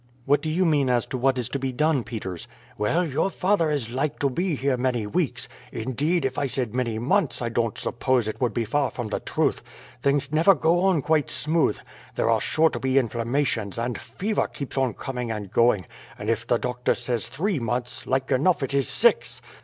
"What do you mean as to what is to be done, Peters?" "Well, your father is like to be here many weeks; indeed, if I said many months I don't suppose it would be far from the truth. Things never go on quite smooth. There are sure to be inflammations, and fever keeps on coming and going; and if the doctor says three months, like enough it is six."